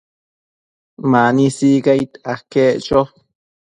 Mani sicaid aquec cho